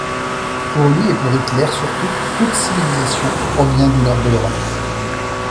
Pour lui, et pour Hitler surtout, toute civilisation provient du nord de l'Europe.